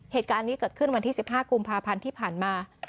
เหตุการณ์นี้เกิดขึ้นวันที่๑๕กุมภาพันธ์ที่ผ่านมา